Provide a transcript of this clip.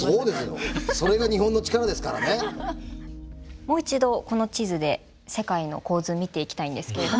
もう一度この地図で世界の構図見ていきたいんですけれども。